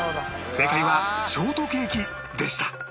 正解はショートケーキでした